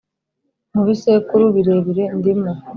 mu bisekuru birebire ndimo ,